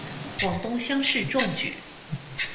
广东乡试中举。